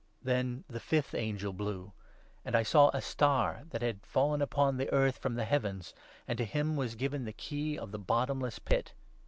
Then the fifth angel blew ; and I saw a Star that had fallen i upon the earth from the heavens, and to him was given the key of the bottomless pit.